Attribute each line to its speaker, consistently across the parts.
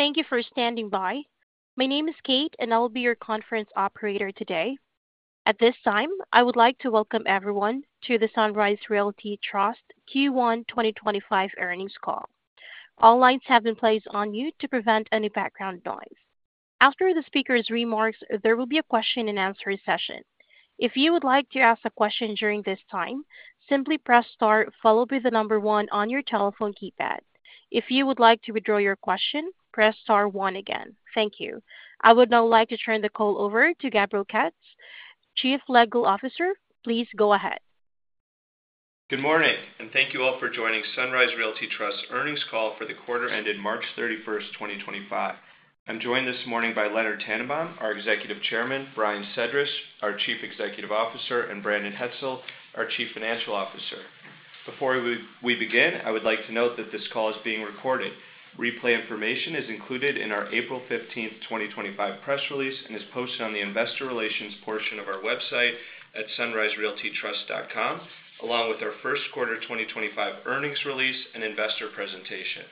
Speaker 1: Thank you for standing by. My name is Kate, and I will be your conference operator today. At this time, I would like to Welcome Everyone to the Sunrise Realty Trust Q1 2025 Earnings Call. All lines have been placed on mute to prevent any background noise. After the speaker's remarks, there will be a question-and-answer session. If you would like to ask a question during this time, simply press Star, followed by the number one on your telephone keypad. If you would like to withdraw your question, press Star one again. Thank you. I would now like to turn the call over to Gabriel Katz, Chief Legal Officer. Please go ahead.
Speaker 2: Good morning, and thank you all for joining Sunrise Realty Trust's Earnings Call for the quarter ended March 31, 2025. I'm joined this morning by Leonard Tannenbaum, our Executive Chairman, Brian Sedrish, our Chief Executive Officer, and Brandon Hetzel, our Chief Financial Officer. Before we begin, I would like to note that this call is being recorded. Replay information is included in our April 15, 2025 press release and is posted on the investor relations portion of our website at sunriserealtytrust.com, along with our first quarter 2025 earnings release and investor presentation.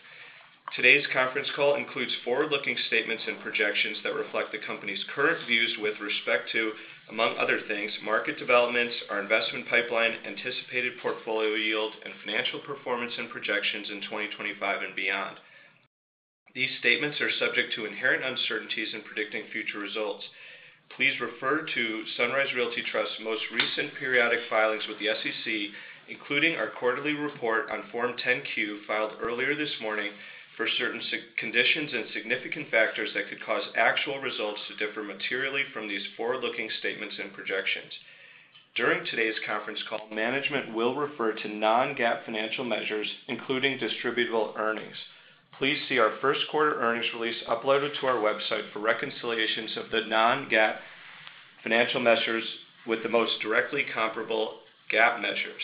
Speaker 2: Today's conference call includes forward-looking statements and projections that reflect the company's current views with respect to, among other things, market developments, our investment pipeline, anticipated portfolio yield, and financial performance and projections in 2025 and beyond. These statements are subject to inherent uncertainties in predicting future results. Please refer to Sunrise Realty Trust's most recent periodic filings with the SEC, including our quarterly report on Form 10-Q filed earlier this morning for certain conditions and significant factors that could cause actual results to differ materially from these forward-looking statements and projections. During today's conference call, management will refer to non-GAAP financial measures, including distributable earnings. Please see our first quarter earnings release uploaded to our website for reconciliations of the non-GAAP financial measures with the most directly comparable GAAP measures.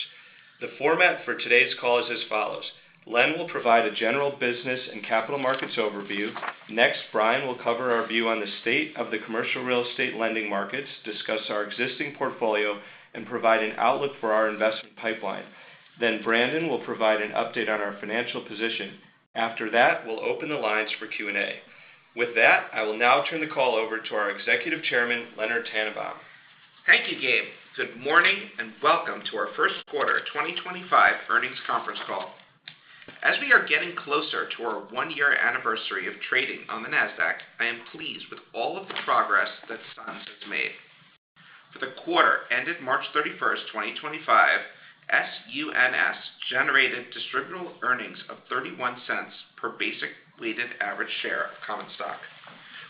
Speaker 2: The format for today's call is as follows. Len will provide a general business and capital markets overview. Next, Brian will cover our view on the state of the commercial real estate lending markets, discuss our existing portfolio, and provide an outlook for our investment pipeline. Then Brandon will provide an update on our financial position. After that, we'll open the lines for Q&A. With that, I will now turn the call over to our Executive Chairman, Leonard Tannenbaum.
Speaker 3: Thank you, Gabe. Good morning and Welcome to Our First Quarter 2025 Earnings Conference Call. As we are getting closer to our one-year anniversary of trading on the NASDAQ, I am pleased with all of the progress that SUNS has made. For the quarter ended March 31, 2025, SUNS generated distributable earnings of $0.31 per basic weighted average share of common stock,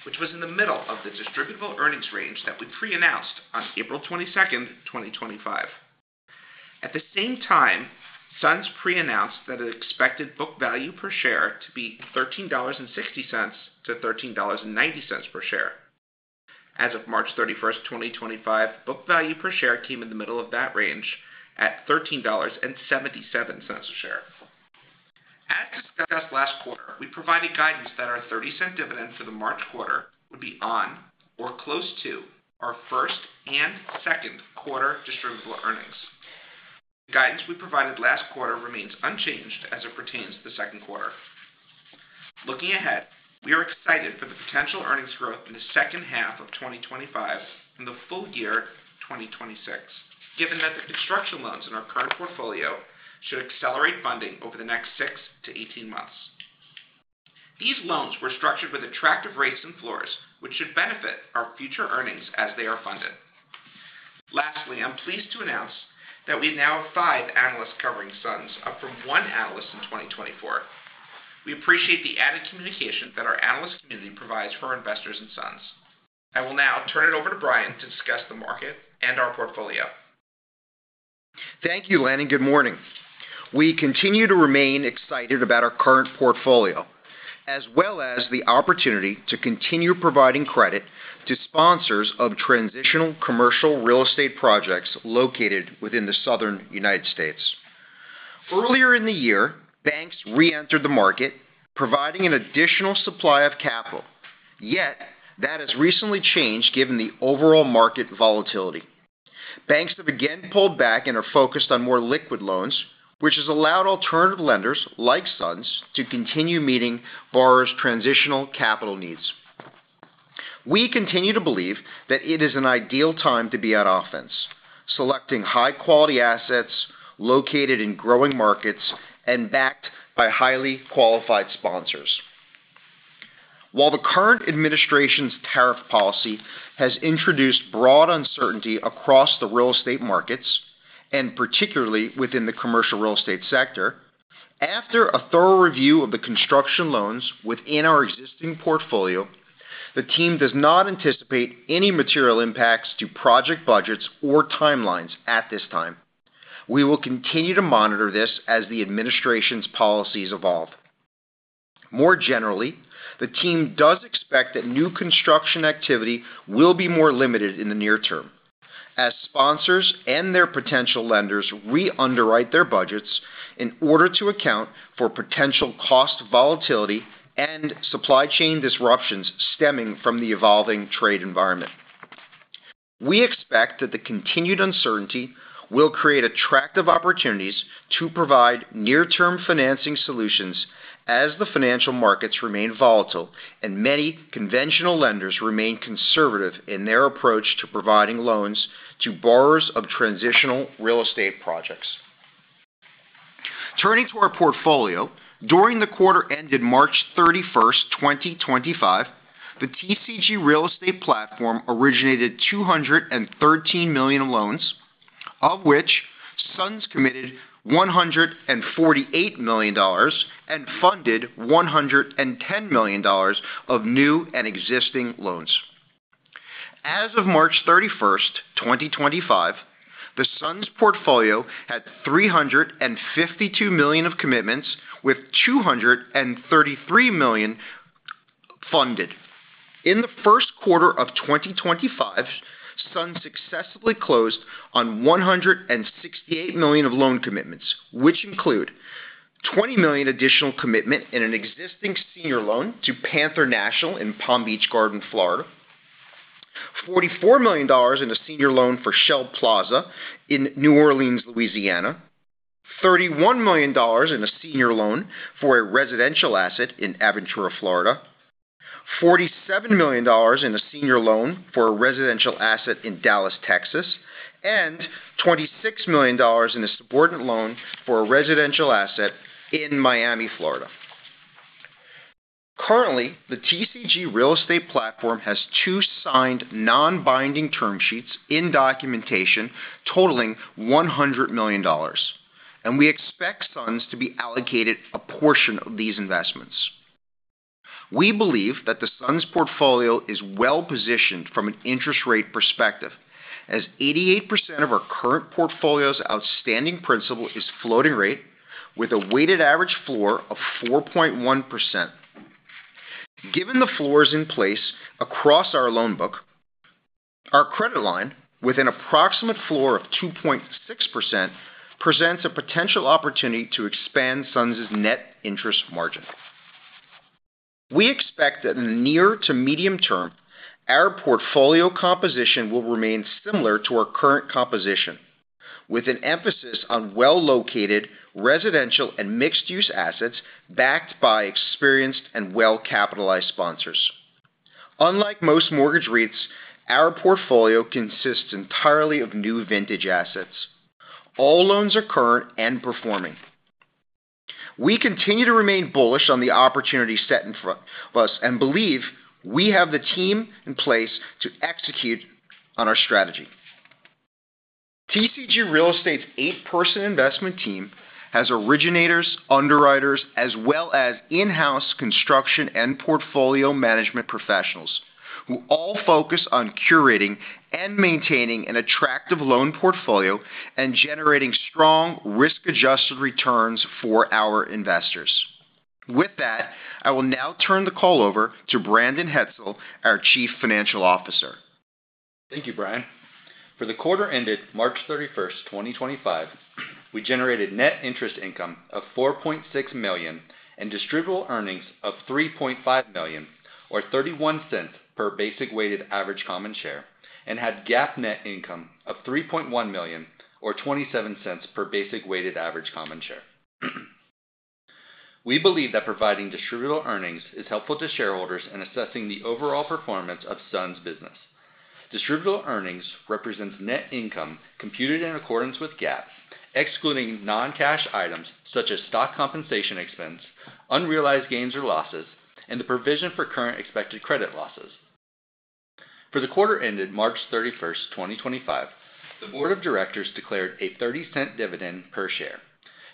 Speaker 3: which was in the middle of the distributable earnings range that we pre-announced on April 22, 2025. At the same time, SUNS pre-announced that it expected book value per share to be $13.60-$13.90 per share. As of March 31, 2025, book value per share came in the middle of that range at $13.77 a share. As discussed last quarter, we provided guidance that our $0.30 dividend for the March quarter would be on or close to our first and second quarter distributable earnings. The guidance we provided last quarter remains unchanged as it pertains to the second quarter. Looking ahead, we are excited for the potential earnings growth in the second half of 2025 and the full year 2026, given that the construction loans in our current portfolio should accelerate funding over the next 6-18 months. These loans were structured with attractive rates and floors, which should benefit our future earnings as they are funded. Lastly, I'm pleased to announce that we now have five analysts covering SUNS, up from one analyst in 2024. We appreciate the added communication that our analyst community provides for investors and SUNS. I will now turn it over to Brian to discuss the market and our portfolio.
Speaker 4: Thank you, Len and good morning. We continue to remain excited about our current portfolio, as well as the opportunity to continue providing credit to sponsors of transitional commercial real estate projects located within the southern United States. Earlier in the year, banks re-entered the market, providing an additional supply of capital, yet that has recently changed given the overall market volatility. Banks have again pulled back and are focused on more liquid loans, which has allowed alternative lenders like SUNS to continue meeting borrowers' transitional capital needs. We continue to believe that it is an ideal time to be on offense, selecting high-quality assets located in growing markets and backed by highly qualified sponsors. While the current administration's tariff policy has introduced broad uncertainty across the real estate markets, and particularly within the commercial real estate sector, after a thorough review of the construction loans within our existing portfolio, the team does not anticipate any material impacts to project budgets or timelines at this time. We will continue to monitor this as the administration's policies evolve. More generally, the team does expect that new construction activity will be more limited in the near term, as sponsors and their potential lenders re-underwrite their budgets in order to account for potential cost volatility and supply chain disruptions stemming from the evolving trade environment. We expect that the continued uncertainty will create attractive opportunities to provide near-term financing solutions as the financial markets remain volatile and many conventional lenders remain conservative in their approach to providing loans to borrowers of transitional real estate projects. Turning to our portfolio, during the quarter ended March 31, 2025, the TCG Real Estate Platform originated $213 million in loans, of which SUNS committed $148 million and funded $110 million of new and existing loans. As of March 31, 2025, the SUNS portfolio had $352 million of commitments, with $233 million funded. In the first quarter of 2025, SUNS successfully closed on $168 million of loan commitments, which include $20 million additional commitment in an existing senior loan to Panther National in Palm Beach Gardens, Florida, $44 million in a senior loan for Shell Plaza in New Orleans, Louisiana, $31 million in a senior loan for a residential asset in Aventura, Florida, $47 million in a senior loan for a residential asset in Dallas, Texas, and $26 million in a subordinate loan for a residential asset in Miami, Florida. Currently, the TCG Real Estate Platform has two signed non-binding term sheets in documentation totaling $100 million, and we expect SUNS to be allocated a portion of these investments. We believe that the SUNS portfolio is well positioned from an interest rate perspective, as 88% of our current portfolio's outstanding principal is floating rate, with a weighted average floor of 4.1%. Given the floors in place across our loan book, our credit line, with an approximate floor of 2.6%, presents a potential opportunity to expand SUNS' net interest margin. We expect that in the near to medium term, our portfolio composition will remain similar to our current composition, with an emphasis on well-located residential and mixed-use assets backed by experienced and well-capitalized sponsors. Unlike most mortgage REITs, our portfolio consists entirely of new vintage assets. All loans are current and performing. We continue to remain bullish on the opportunity set in front of us and believe we have the team in place to execute on our strategy. TCG Real Estate's eight-person investment team has originators, underwriters, as well as in-house construction and portfolio management professionals who all focus on curating and maintaining an attractive loan portfolio and generating strong risk-adjusted returns for our investors. With that, I will now turn the call over to Brandon Hetzel, our Chief Financial Officer.
Speaker 5: Thank you, Brian. For the quarter ended March 31, 2025, we generated net interest income of $4.6 million and distributable earnings of $3.5 million, or $0.31 per basic weighted average common share, and had GAAP net income of $3.1 million, or $0.27 per basic weighted average common share. We believe that providing distributable earnings is helpful to shareholders in assessing the overall performance of Sunrise Realty Trust's business. Distributable earnings represents net income computed in accordance with GAAP, excluding non-cash items such as stock compensation expense, unrealized gains or losses, and the provision for current expected credit losses. For the quarter ended March 31, 2025, the Board of Directors declared a $0.30 dividend per share.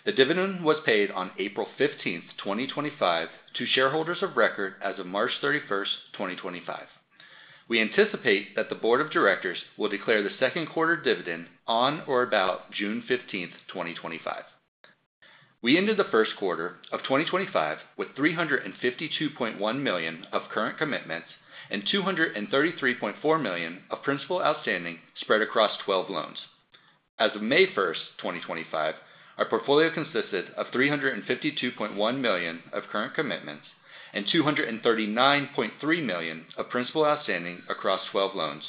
Speaker 5: The dividend was paid on April 15, 2025, to shareholders of record as of March 31, 2025. We anticipate that the Board of Directors will declare the second quarter dividend on or about June 15, 2025. We ended the first quarter of 2025 with $352.1 million of current commitments and $233.4 million of principal outstanding spread across 12 loans. As of May 1, 2025, our portfolio consisted of $352.1 million of current commitments and $239.3 million of principal outstanding across 12 loans,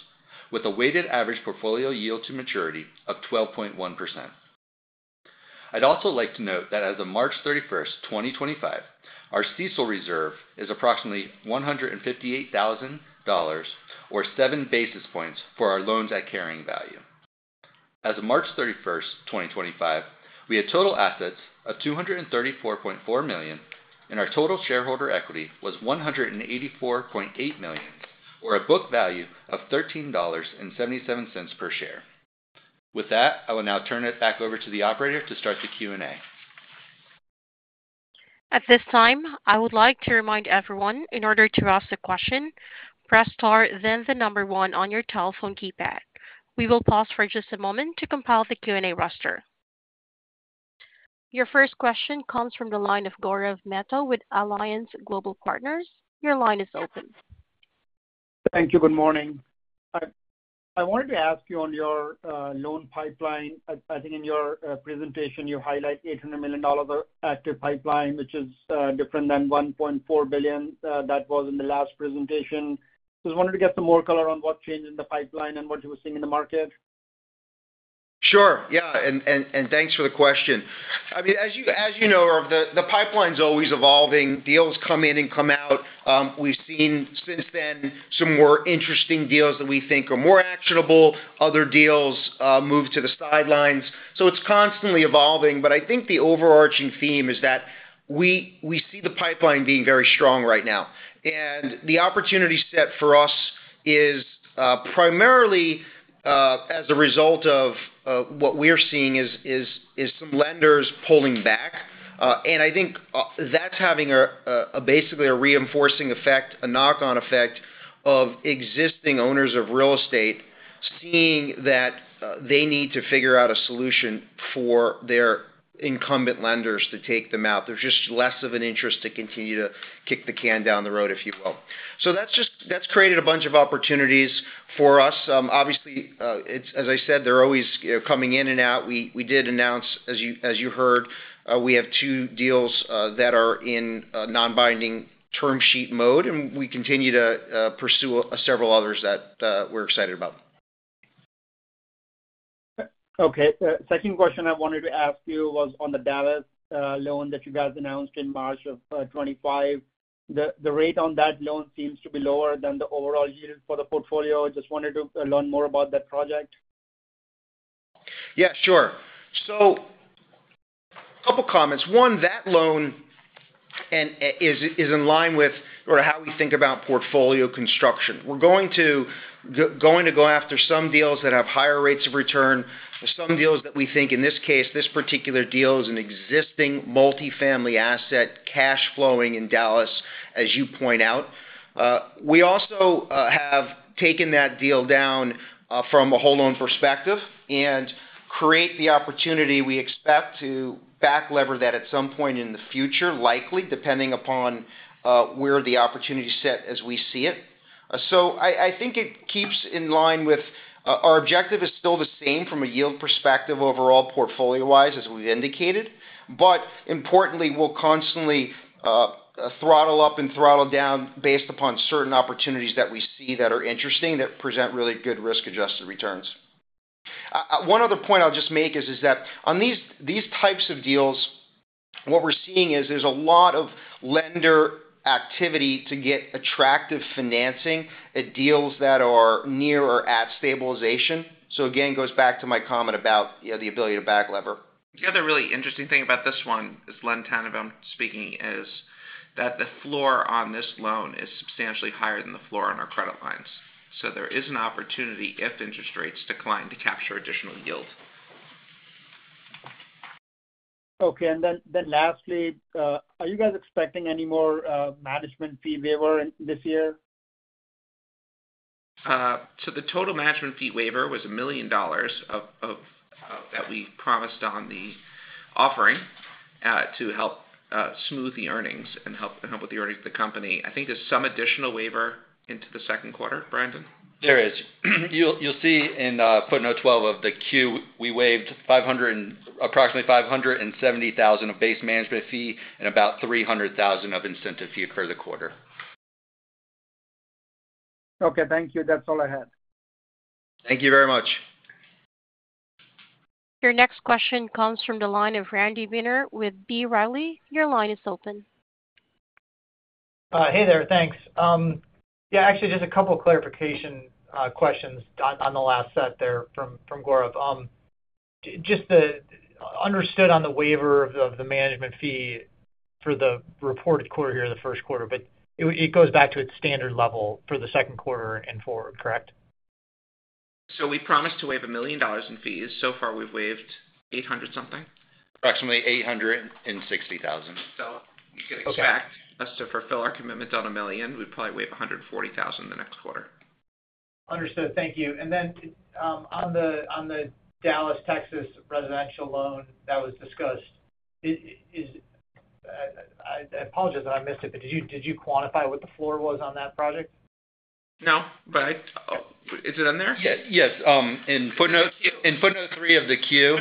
Speaker 5: with a weighted average portfolio yield to maturity of 12.1%. I'd also like to note that as of March 31, 2025, our CECL reserve is approximately $158,000, or seven basis points for our loans at carrying value. As of March 31, 2025, we had total assets of $234.4 million, and our total shareholder equity was $184.8 million, or a book value of $13.77 per share. With that, I will now turn it back over to the operator to start the Q&A.
Speaker 1: At this time, I would like to remind everyone in order to ask a question, press star, then the number one on your telephone keypad. We will pause for just a moment to compile the Q&A roster. Your first question comes from the line of Gaurav Mehta with Alliance Global Partners. Your line is open.
Speaker 6: Thank you. Good morning. I wanted to ask you on your loan pipeline. I think in your presentation, you highlighted $800 million of active pipeline, which is different than $1.4 billion that was in the last presentation. Just wanted to get some more color on what changed in the pipeline and what you were seeing in the market.
Speaker 4: Sure. Yeah. Thanks for the question. I mean, as you know, the pipeline's always evolving. Deals come in and come out. We've seen since then some more interesting deals that we think are more actionable. Other deals moved to the sidelines. It is constantly evolving. I think the overarching theme is that we see the pipeline being very strong right now. The opportunity set for us is primarily as a result of what we're seeing, which is some lenders pulling back. I think that's having basically a reinforcing effect, a knock-on effect of existing owners of real estate seeing that they need to figure out a solution for their incumbent lenders to take them out. There's just less of an interest to continue to kick the can down the road, if you will. That has created a bunch of opportunities for us. Obviously, as I said, they're always coming in and out. We did announce, as you heard, we have two deals that are in non-binding term sheet mode, and we continue to pursue several others that we're excited about.
Speaker 6: Okay. Second question I wanted to ask you was on the Dallas loan that you guys announced in March of 2025. The rate on that loan seems to be lower than the overall yield for the portfolio. I just wanted to learn more about that project?
Speaker 4: Yeah, sure. So a couple of comments. One, that loan is in line with how we think about portfolio construction. We're going to go after some deals that have higher rates of return, some deals that we think, in this case, this particular deal is an existing multifamily asset cash flowing in Dallas, as you point out. We also have taken that deal down from a whole loan perspective and create the opportunity we expect to back lever that at some point in the future, likely depending upon where the opportunity set as we see it. I think it keeps in line with our objective is still the same from a yield perspective overall portfolio-wise, as we've indicated. Importantly, we'll constantly throttle up and throttle down based upon certain opportunities that we see that are interesting that present really good risk-adjusted returns. One other point I'll just make is that on these types of deals, what we're seeing is there's a lot of lender activity to get attractive financing at deals that are near or at stabilization. Again, it goes back to my comment about the ability to back lever.
Speaker 3: The other really interesting thing about this one, as Len Tannenbaum speaking, is that the floor on this loan is substantially higher than the floor on our credit lines. There is an opportunity if interest rates decline to capture additional yield.
Speaker 6: Okay. Lastly, are you guys expecting any more management fee waiver this year?
Speaker 3: The total management fee waiver was $1 million that we promised on the offering to help smooth the earnings and help with the earnings of the company. I think there's some additional waiver into the second quarter, Brandon.
Speaker 5: There is. You'll see in footnote 12 of the Q, we waived approximately $570,000 of base management fee and about $300,000 of incentive fee per the quarter.
Speaker 6: Okay. Thank you. That's all I had.
Speaker 4: Thank you very much.
Speaker 1: Your next question comes from the line of Randy Binner with B. Riley. Your line is open.
Speaker 7: Hey there. Thanks. Yeah, actually, just a couple of clarification questions on the last set there from Gaurav. Just understood on the waiver of the management fee for the reported quarter here, the first quarter, but it goes back to its standard level for the second quarter and forward, correct?
Speaker 3: We promised to waive $1 million in fees. So far, we've waived $800,000 something.
Speaker 4: Approximately $860,000.
Speaker 3: You can expect us to fulfill our commitment on a million. We'd probably waive $140,000 the next quarter.
Speaker 7: Understood. Thank you. On the Dallas, Texas residential loan that was discussed, I apologize if I missed it, but did you quantify what the floor was on that project?
Speaker 3: No. Is it on there?
Speaker 5: Yes. In footnote 3 of the Q,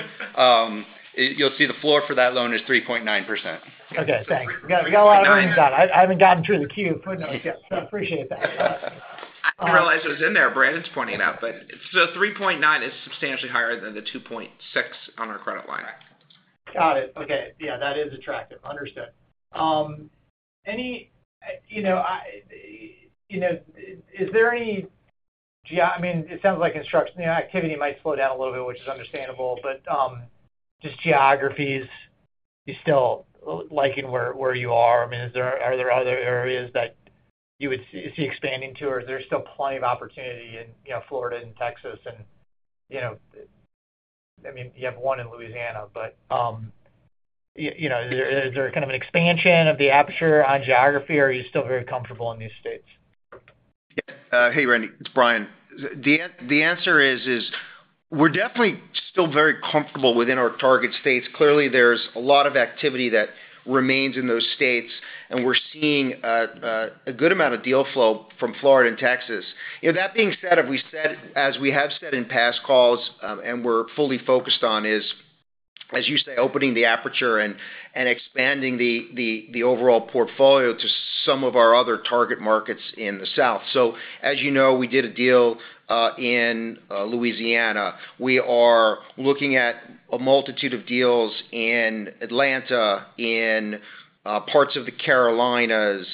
Speaker 5: you'll see the floor for that loan is 3.9%.
Speaker 7: Okay. Thanks. We got a lot of earnings on it. I haven't gotten through the Q footnotes yet, so I appreciate that.
Speaker 3: I didn't realize it was in there. Brandon's pointing it out, but 3.9 is substantially higher than the 2.6 on our credit line.
Speaker 7: Got it. Okay. Yeah, that is attractive. Understood. Is there any—I mean, it sounds like construction activity might slow down a little bit, which is understandable, but just geographies, you're still liking where you are. I mean, are there other areas that you would see expanding to, or is there still plenty of opportunity in Florida and Texas? I mean, you have one in Louisiana, but is there kind of an expansion of the aperture on geography, or are you still very comfortable in these states?
Speaker 4: Hey, Randy. It's Brian. The answer is we're definitely still very comfortable within our target states. Clearly, there's a lot of activity that remains in those states, and we're seeing a good amount of deal flow from Florida and Texas. That being said, as we have said in past calls and we're fully focused on, is, as you say, opening the aperture and expanding the overall portfolio to some of our other target markets in the south. As you know, we did a deal in Louisiana. We are looking at a multitude of deals in Atlanta, in parts of the Carolinas,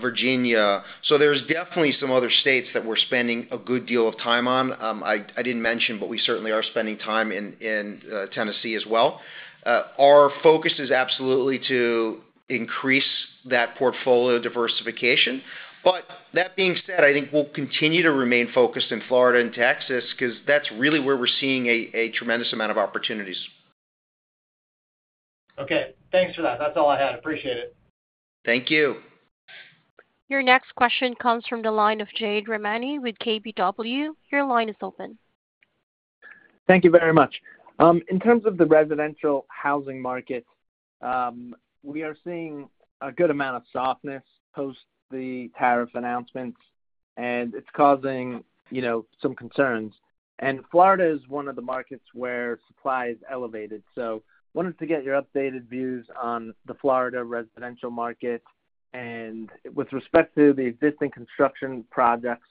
Speaker 4: Virginia. There's definitely some other states that we're spending a good deal of time on. I didn't mention, but we certainly are spending time in Tennessee as well. Our focus is absolutely to increase that portfolio diversification. That being said, I think we'll continue to remain focused in Florida and Texas because that's really where we're seeing a tremendous amount of opportunities.
Speaker 7: Okay. Thanks for that. That's all I had. Appreciate it.
Speaker 4: Thank you.
Speaker 1: Your next question comes from the line of Jade Rahmani with KBW. Your line is open.
Speaker 8: Thank you very much. In terms of the residential housing market, we are seeing a good amount of softness post the tariff announcements, and it's causing some concerns. Florida is one of the markets where supply is elevated. I wanted to get your updated views on the Florida residential market and with respect to the existing construction projects,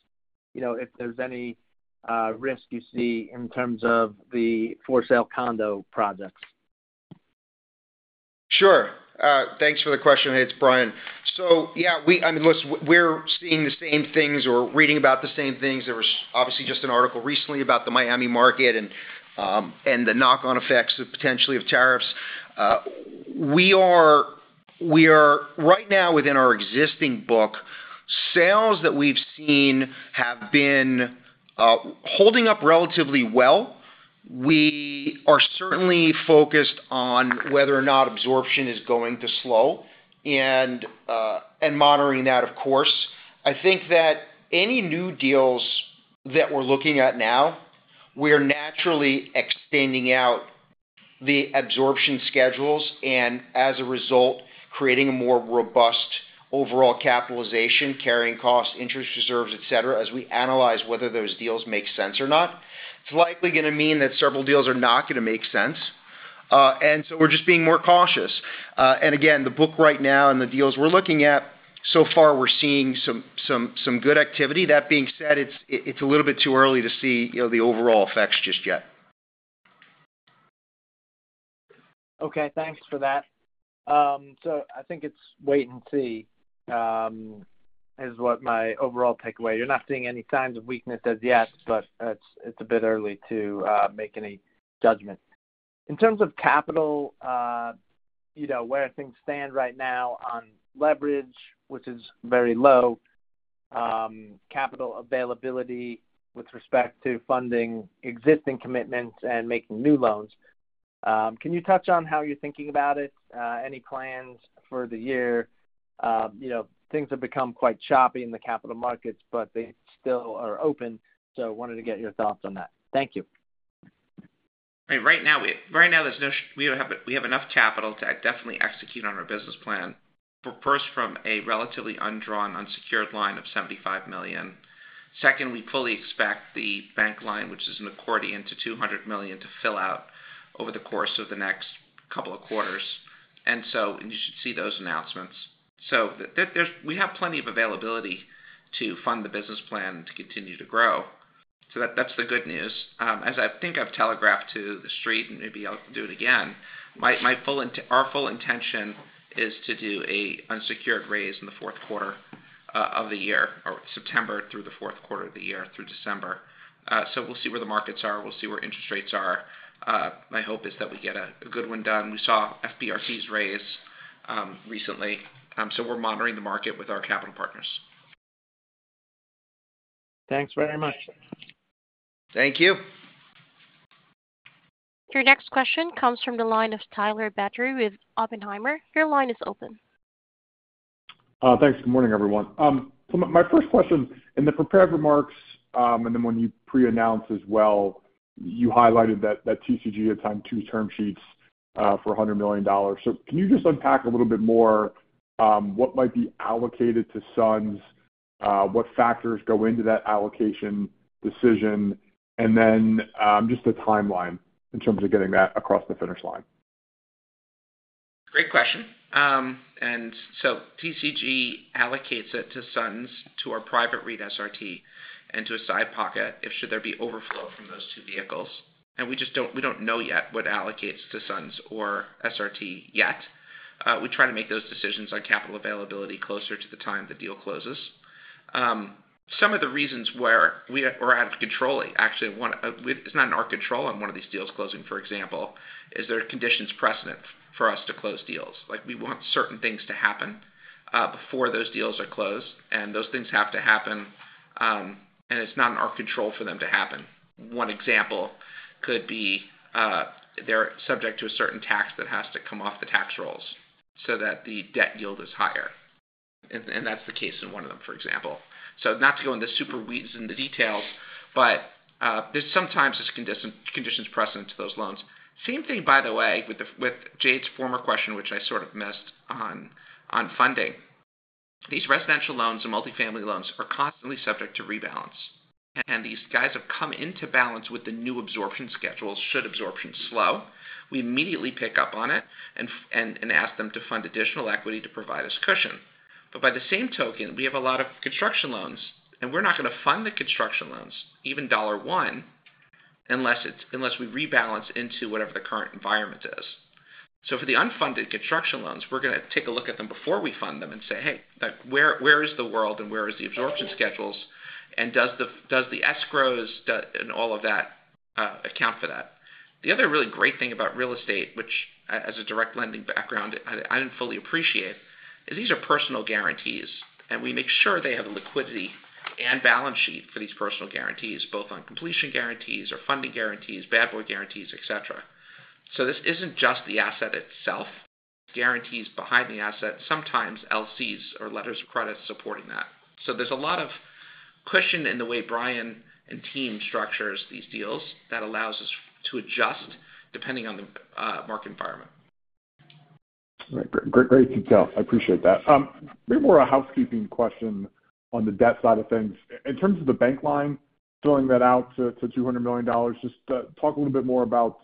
Speaker 8: if there's any risk you see in terms of the for-sale condo projects?
Speaker 4: Sure. Thanks for the question, Its, Brian. Yeah, I mean, listen, we're seeing the same things or reading about the same things. There was obviously just an article recently about the Miami market and the knock-on effects potentially of tariffs. We are right now within our existing book. Sales that we've seen have been holding up relatively well. We are certainly focused on whether or not absorption is going to slow and monitoring that, of course. I think that any new deals that we're looking at now, we're naturally extending out the absorption schedules and, as a result, creating a more robust overall capitalization, carrying costs, interest reserves, etc., as we analyze whether those deals make sense or not. It's likely going to mean that several deals are not going to make sense. We're just being more cautious. The book right now and the deals we're looking at, so far, we're seeing some good activity. That being said, it's a little bit too early to see the overall effects just yet.
Speaker 7: Okay. Thanks for that. I think it's wait and see is what my overall takeaway. You're not seeing any signs of weakness as yet, but it's a bit early to make any judgment. In terms of capital, where things stand right now on leverage, which is very low, capital availability with respect to funding existing commitments and making new loans, can you touch on how you're thinking about it? Any plans for the year? Things have become quite choppy in the capital markets, but they still are open. I wanted to get your thoughts on that. Thank you.
Speaker 3: Right now, we have enough capital to definitely execute on our business plan, first from a relatively undrawn, unsecured line of $75 million. Second, we fully expect the bank line, which is an accordion to $200 million, to fill out over the course of the next couple of quarters. You should see those announcements. We have plenty of availability to fund the business plan and to continue to grow. That's the good news. As I think I've telegraphed to the street and maybe I'll do it again, our full intention is to do an unsecured raise in the fourth quarter of the year or September through the fourth quarter of the year through December. We'll see where the markets are. We'll see where interest rates are. My hope is that we get a good one done. We saw FBRT's raise recently. We're monitoring the market with our capital partners.
Speaker 8: Thanks very much.
Speaker 4: Thank you.
Speaker 1: Your next question comes from the line of Tyler Batory with Oppenheimer. Your line is open.
Speaker 9: Thanks. Good morning, everyone. My first question, in the prepared remarks and then when you pre-announced as well, you highlighted that TCG had signed two term sheets for $100 million. Can you just unpack a little bit more what might be allocated to SUNS, what factors go into that allocation decision, and then just the timeline in terms of getting that across the finish line?
Speaker 3: Great question. TCG allocates it to SUNS, to our private REIT SRT, and to a side pocket if should there be overflow from those two vehicles. We do not know yet what allocates to SUNS or SRT yet. We try to make those decisions on capital availability closer to the time the deal closes. Some of the reasons where we are out of control, actually, it is not in our control on one of these deals closing, for example, is there are conditions precedent for us to close deals. We want certain things to happen before those deals are closed, and those things have to happen, and it is not in our control for them to happen. One example could be they are subject to a certain tax that has to come off the tax rolls so that the debt yield is higher. That is the case in one of them, for example. Not to go into super weeds in the details, but there are sometimes conditions precedent to those loans. Same thing, by the way, with Jade's former question, which I sort of missed on funding. These residential loans and multifamily loans are constantly subject to rebalance. These guys have come into balance with the new absorption schedules should absorption slow. We immediately pick up on it and ask them to fund additional equity to provide us cushion. By the same token, we have a lot of construction loans, and we are not going to fund the construction loans, even dollar one, unless we rebalance into whatever the current environment is. For the unfunded construction loans, we're going to take a look at them before we fund them and say, "Hey, where is the world and where are the absorption schedules? And does the escrows and all of that account for that?" The other really great thing about real estate, which as a direct lending background, I didn't fully appreciate, is these are personal guarantees, and we make sure they have liquidity and balance sheet for these personal guarantees, both on completion guarantees or funding guarantees, bad boy guarantees, etc. This isn't just the asset itself. Guarantees behind the asset, sometimes LCs or letters of credit supporting that. There's a lot of cushion in the way Brian and team structures these deals that allows us to adjust depending on the market environment.
Speaker 9: Great detail. I appreciate that. Maybe more a housekeeping question on the debt side of things. In terms of the bank line, filling that out to $200 million, just talk a little bit more about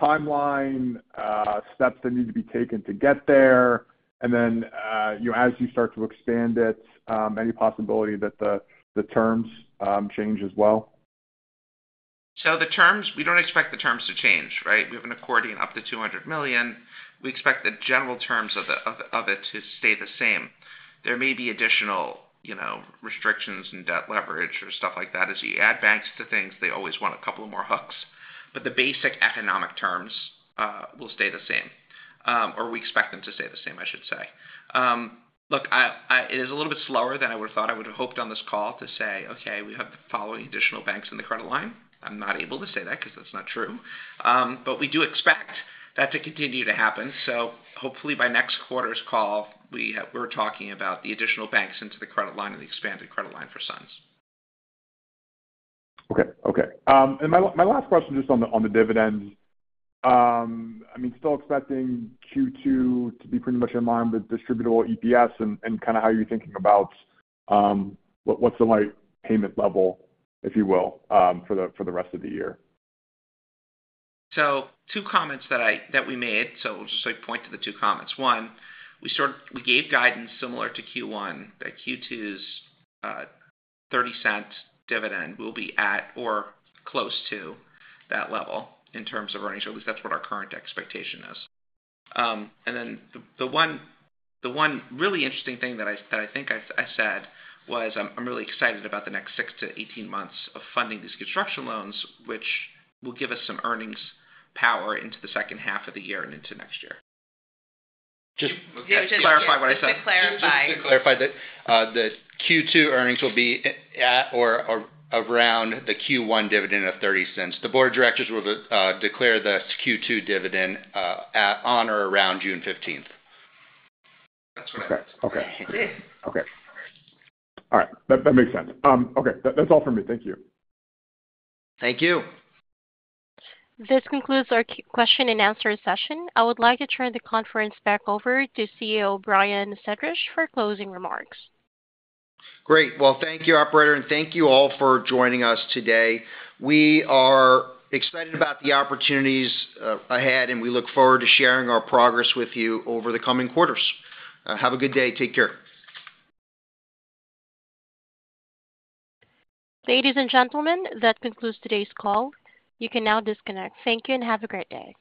Speaker 9: timeline, steps that need to be taken to get there, and then as you start to expand it, any possibility that the terms change as well?
Speaker 3: We do not expect the terms to change, right? We have an accordion up to $200 million. We expect the general terms of it to stay the same. There may be additional restrictions in debt leverage or stuff like that. As you add banks to things, they always want a couple more hooks. The basic economic terms will stay the same, or we expect them to stay the same, I should say. Look, it is a little bit slower than I would have thought. I would have hoped on this call to say, "Okay, we have the following additional banks in the credit line." I am not able to say that because that is not true. We do expect that to continue to happen. Hopefully by next quarter's call, we are talking about the additional banks into the credit line and the expanded credit line for SUNS.
Speaker 9: Okay. Okay. I mean, my last question just on the dividends. I mean, still expecting Q2 to be pretty much in line with distributable EPS and kind of how you're thinking about what's the right payment level, if you will, for the rest of the year?
Speaker 3: Two comments that we made. I'll just point to the two comments. One, we gave guidance similar to Q1 that Q2's $0.30 dividend will be at or close to that level in terms of earnings, or at least that's what our current expectation is. The one really interesting thing that I think I said was I'm really excited about the next 6-18 months of funding these construction loans, which will give us some earnings power into the second half of the year and into next year.
Speaker 4: Just to clarify what I said. Just to clarify. Just to clarify that the Q2 earnings will be at or around the Q1 dividend of $0.30. The board of directors will declare the Q2 dividend on or around June 15th.
Speaker 3: That's what I said.
Speaker 9: Okay. Okay. All right. That makes sense. Okay. That's all from me. Thank you.
Speaker 4: Thank you.
Speaker 1: This concludes our question and answer session. I would like to turn the conference back over to CEO Brian Sedrish for closing remarks.
Speaker 4: Great. Thank you, operator, and thank you all for joining us today. We are excited about the opportunities ahead, and we look forward to sharing our progress with you over the coming quarters. Have a good day. Take care.
Speaker 1: Ladies and gentlemen, that concludes today's call. You can now disconnect. Thank you and have a great day.